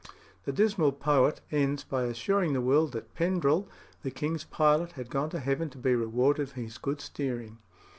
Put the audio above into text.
The dismal poet ends by assuring the world that Pendrell, the king's pilot, had gone to heaven to be rewarded for his good steering.